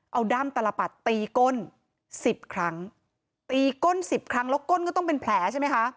เอาด้ามตลปัดตีก้นสิบครั้งตีก้นสิบครั้งแล้วก้นก็ต้องเป็นแผลใช่ไหมคะ